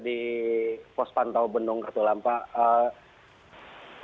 di pos pantau benung katulampabogor